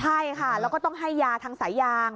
ใช่ค่ะแล้วก็ต้องให้ยาทางสายยาง